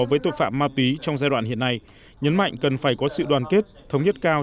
với tội phạm ma túy trong giai đoạn hiện nay nhấn mạnh cần phải có sự đoàn kết thống nhất cao